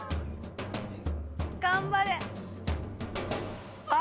頑張れ。